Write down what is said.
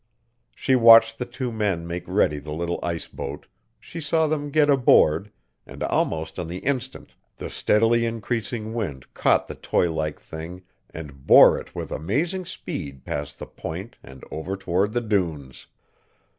She watched the two men make ready the little ice boat, she saw them get aboard, and almost on the instant the steadily increasing wind caught the toy like thing and bore it with amazing speed past the Point and over toward the dunes!